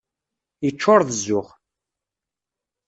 Yeččuṛ d zzux.